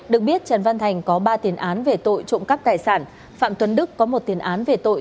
được biết trần văn thành có ba tiền án về tội trộm cắp tài sản phạm tuấn đức có một tiền án về tội